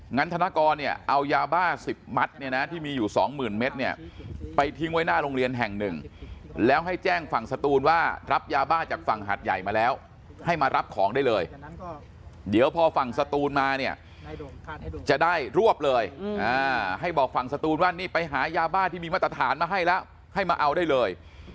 ธนกรเนี่ยเอายาบ้า๑๐มัตต์เนี่ยนะที่มีอยู่สองหมื่นเมตรเนี่ยไปทิ้งไว้หน้าโรงเรียนแห่งหนึ่งแล้วให้แจ้งฝั่งสตูนว่ารับยาบ้าจากฝั่งหัดใหญ่มาแล้วให้มารับของได้เลยเดี๋ยวพอฝั่งสตูนมาเนี่ยจะได้รวบเลยให้บอกฝั่งสตูนว่านี่ไปหายาบ้าที่มีมาตรฐานมาให้แล้วให้มาเอาได้เลย